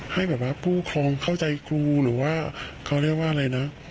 ให้แบบว่าผู้ครองเข้าใจครูหรือว่าเขาเรียกว่าอะไรนะ